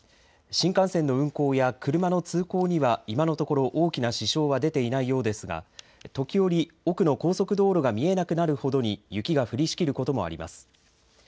新幹線の運行や車の通行には今のところ大きな支障は出ていないようですが時折、奥の高速道路が見えなくなるほどに雪が降りしきることもあります。